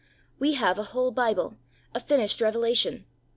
We have a whole Bible, a finished revelation.